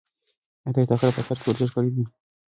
ایا تاسي د غره په سر کې ورزش کړی دی؟